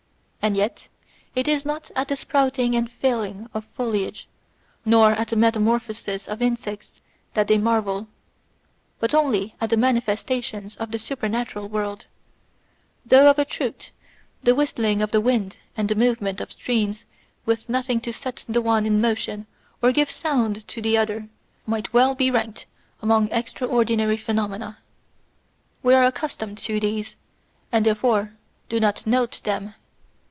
And yet it is not at the sprouting and falling of foliage, or at the metamorphosis of insects that they marvel, but only at the manifestations of the supernatural world ; though of a truth, the whistling of the wind and the movement of streams, with nothing to set the one in motion or give sound to the other, might well be ranked among extra ordinary phenomena. We are accustomed to these, and therefore do not note them.